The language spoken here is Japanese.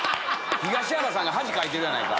東山さんが恥かいてるやないか。